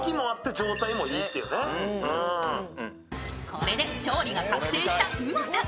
これで勝利が確定したうのさん。